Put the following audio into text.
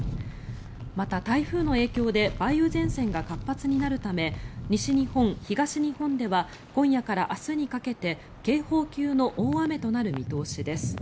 また、台風の影響で梅雨前線が活発になるため西日本、東日本では今夜から明日にかけて警報級の大雨となる見通しです。